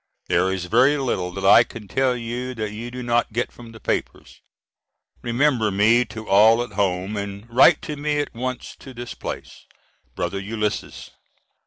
There is very little that I can tell you that you do not get from the papers. Remember me to all at home and write to me at once, to this place. BROTHER ULYSSES.